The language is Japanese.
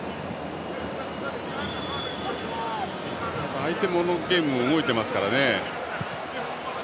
相手のゲームも動いていますから。